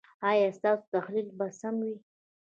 ایا ستاسو تحلیل به سم وي؟